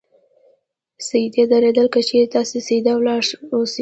سیده درېدل : که چېرې تاسې سیده ولاړ اوسئ